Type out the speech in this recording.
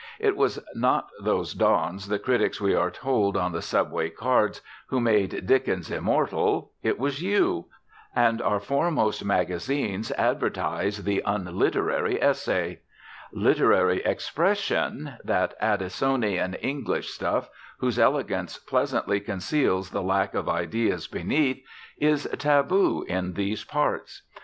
It was not those dons the critics, we are told on the subway cards, who made Dickens immortal it was YOU. And our foremost magazines advertise the "un literary essay." "Literary expression," that Addisonian English stuff, whose elegance pleasantly conceals the lack of ideas beneath, is taboo in these parts.